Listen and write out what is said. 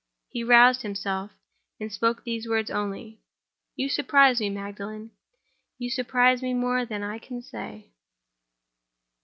He roused himself, and spoke these words only: "You surprise me, Magdalen; you surprise me more than I can say."